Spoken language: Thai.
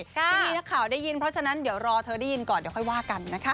ที่มีนักข่าวได้ยินเพราะฉะนั้นเดี๋ยวรอเธอได้ยินก่อนเดี๋ยวค่อยว่ากันนะคะ